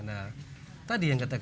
nah tadi yang katakan